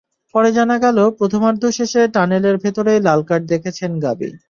পরে জানা গেল, প্রথমার্ধ শেষে টানেলের ভেতরেই লাল কার্ড দেখেছেন গাবি।